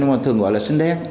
nó thường gọi là sinh đen